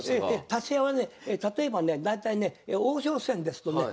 立会はね例えばね大体ね王将戦ですとね